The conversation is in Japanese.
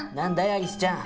アリスちゃん。